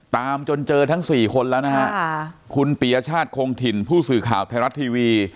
ตามจนเจอทั้งสี่คนแล้วนะฮะคุณปียชาติคงถิ่นผู้สื่อข่าวไทยรัฐทีวี